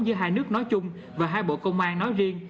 giữa hai nước nói chung và hai bộ công an nói riêng